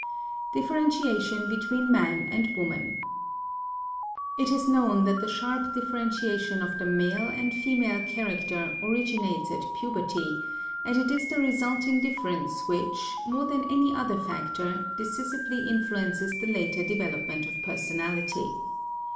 DIFFERENTIATION BETWEEN MAN AND WOMAN It is known that the sharp differentiation of the male and female character originates at puberty, and it is the resulting difference which, more than any other factor, decisively influences the later development of personality.